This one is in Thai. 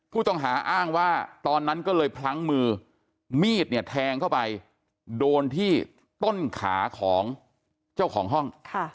ผู้ต้องหาอ้างว่าตอนนั้นก็เลยพลั้งมือมีดเนี่ยแทงเข้าไปโดนที่ต้นขาของเจ้าของห้อง